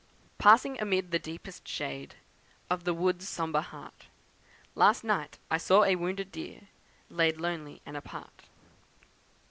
Passing amid the deepest shade Of the wood's sombre heart, Last night I saw a wounded deer Laid lonely and apart.